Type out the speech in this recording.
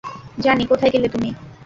Johnny, কোথায় গেলে তুমি?